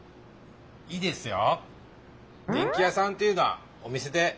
いいですよ。